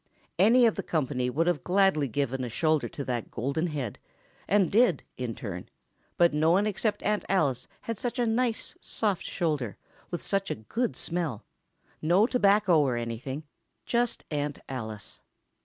Any of the company would gladly have given a shoulder to that golden head, and did, in turn, but no one except Aunt Alice had such a nice, soft shoulder, with such a good smell—no tobacco or anything—just Aunt Alice.